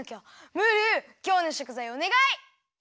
ムールきょうのしょくざいおねがい！